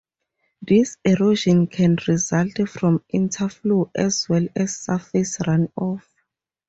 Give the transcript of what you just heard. This erosion can result from interflow as well as surface runoff.